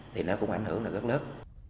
thì nó cũng ảnh hưởng rất lớn